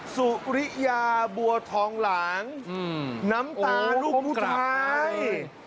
สุริยาบัวทองหลางน้ำตาลูกผู้ชาย